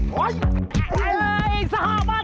ขึ้นไปรู้ซะบ้าง